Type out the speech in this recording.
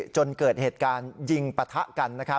จนเกิดเหตุการณ์ยิงปะทะกัน